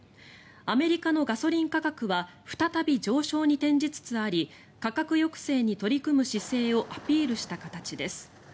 アメリカのガソリン価格は再び上昇に転じつつあり価格抑制に取り組む姿勢をアピールした形です。